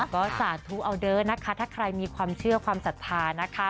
ก็สาธุเอาเด้อนะคะถ้าใครมีความเชื่อความศรัทธานะคะ